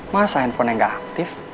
masa handphone yang gak aktif